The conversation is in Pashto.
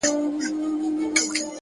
د انسان ځواک په صبر کې پټ دی,